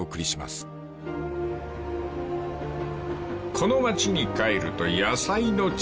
［この町に帰ると野菜の力